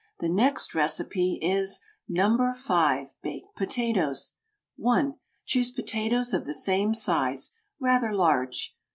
"The next recipe is: NO. 5. BAKED POTATOES. 1. Choose potatoes of the same size rather large.